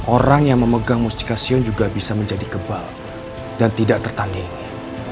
orang yang memegang mustikasion juga bisa menjadi kebal dan tidak tertandingi